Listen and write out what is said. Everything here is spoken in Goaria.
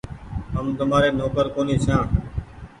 هم تمآري نوڪر ڪونيٚ ڇآن